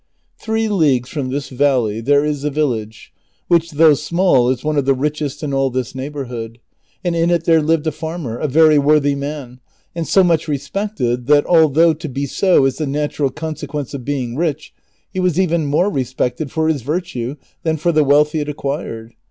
Three leagues from this valley there is a village which, though small, is oue of the richest in all this neighborhood, and in it tliere lived a farmer, a very worthy man, and so much respecletl tliat, although to be so is the natural consequence of being ricli, he was even more respected for his virtue tiian for the wealth he had acquired.